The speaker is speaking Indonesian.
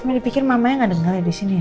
emang dipikir mamanya gak denger ya di sini ya